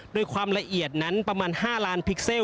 โดยความละเอียดนั้นประมาณ๕ล้านพิกเซล